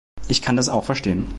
Ich kann das auch verstehen.